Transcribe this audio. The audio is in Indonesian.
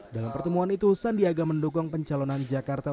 dalam pertemuan itu sandiaga mendukung pencalonan jakarta